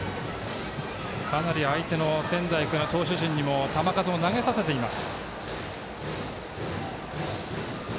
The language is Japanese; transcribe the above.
かなり相手の仙台育英の投手陣にも球数を投げさせています。